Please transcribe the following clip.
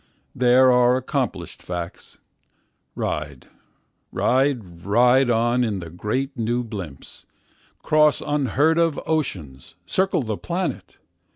There are accomplished facts. Ride, ride, ride on in the great new blimps—Cross unheard of oceans, circle the planet.